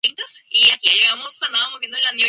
Es especialista en la familia de las euforbiáceas.